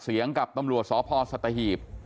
เสียงกับตำรวจสพสตหีบ